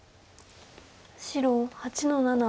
白８の七。